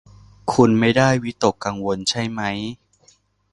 คุณไม่ได้วิตกกังวลใช่มั้ย